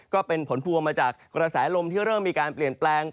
ก็เป็นผลพวงมาจากกระแสลมที่เริ่มมีการเปลี่ยนแปลง